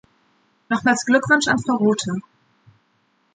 Nochmals Glückwunsch an Frau Rothe.